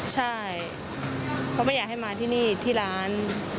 ใช่เพราะไม่อยากให้มาที่นี่ที่ร้าน